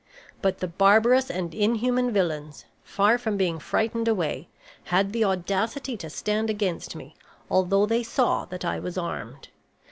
But the barbarous and inhuman villains, far from being frightened away, had the audacity to stand against me, although they saw that I was armed.